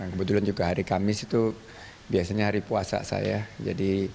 kebetulan juga hari kamis itu biasanya hari puasa saya